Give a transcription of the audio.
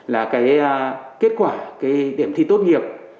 là kết quả điểm thi tốt nghiệp